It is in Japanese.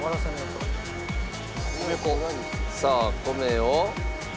さあ米を。